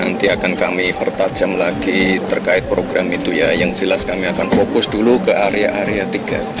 nanti akan kami pertajam lagi terkait program itu ya yang jelas kami akan fokus dulu ke area area tiga t